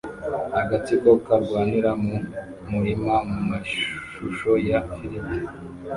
Agatsiko karwanira mu murima mu mashusho ya firime